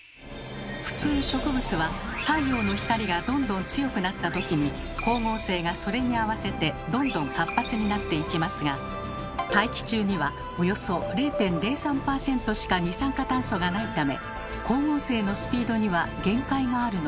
普通植物は太陽の光がどんどん強くなったときに光合成がそれに合わせてどんどん活発になっていきますが大気中にはおよそ０．０３％しか二酸化炭素がないため光合成のスピードには限界があるのです。